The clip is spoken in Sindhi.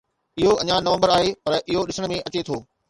اهو اڃا نومبر آهي، پر اهو ڏسڻ ۾ اچي ٿو